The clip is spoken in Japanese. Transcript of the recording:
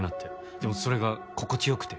でもそれが心地良くて。